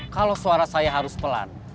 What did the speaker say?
kalau suara saya harus pelan